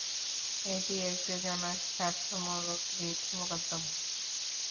এটি একটি জনস্বার্থমূলক রিট মোকদ্দমা।